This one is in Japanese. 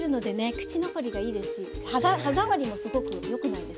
口残りがいいですし歯触りもすごくよくないですか？